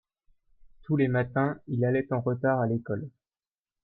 tous les matins il allait en retard à l'école.